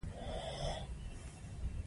سور رنګ ښایسته دی.